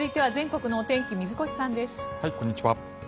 こんにちは。